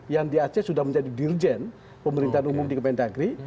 yang di aceh sudah menjadi dirjen pemerintahan umum di kemendagri